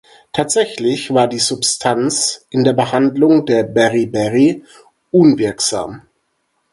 Tatsächlich war die Substanz in der Behandlung der Beriberi unwirksam.